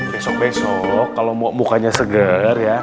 besok besok kalo mukanya seger ya